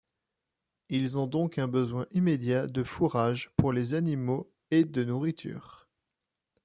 Ils ont donc un besoin immédiat de fourrage pour les animaux et de nourriture.